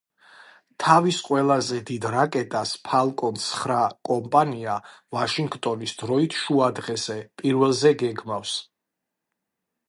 თავის ყველაზე დიდ რაკეტას „ფალკონ ცხრა“ კომპანია ვაშინგტონის დროით შუადღეზე, პირველზე გეგმავს.